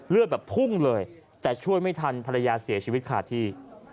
เลือดแบบพุ่งเลยแต่ช่วยไม่ทันภรรยาเสียชีวิตขาดที่